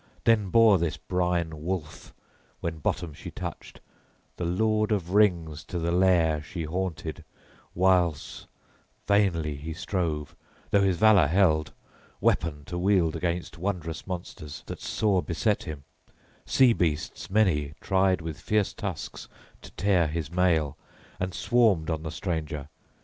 Then bore this brine wolf, when bottom she touched, the lord of rings to the lair she haunted whiles vainly he strove, though his valor held, weapon to wield against wondrous monsters that sore beset him; sea beasts many tried with fierce tusks to tear his mail, and swarmed on the stranger.